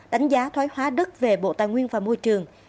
đánh giá thoái hóa đất về bộ tài nguyên và môi trường